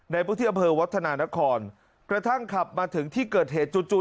ในปุทธิอเผอร์วัฒนานครกระทั่งขับมาถึงที่เกิดเหตุจู่จู่